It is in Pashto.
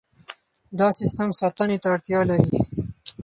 دا سیستم ساتنې ته اړتیا لري.